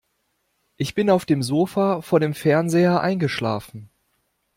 Ich bin auf dem Sofa vor dem Fernseher eingeschlafen.